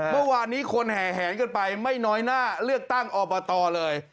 เมื่อวานนี้คนแห่แหนกันไปไม่น้อยหน้าเลือกตั้งอบตเลย